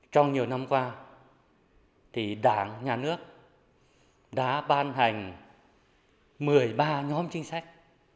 trong nhiều năm qua đảng nhà nước đã ban hành một mươi ba nhóm chính sách